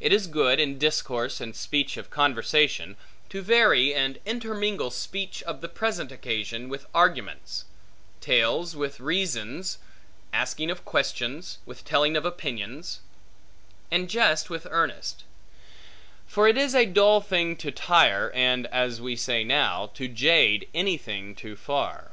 It is good, in discourse and speech of conversation, to vary and intermingle speech of the present occasion, with arguments, tales with reasons, asking of questions, with telling of opinions, and jest with earnest: for it is a dull thing to tire, and, as we say now, to jade, any thing too far.